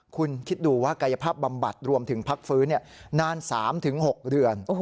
คุณคิดดูว่ากายภาพบำบัดรวมถึงพักฟื้นนาน๓๖เดือน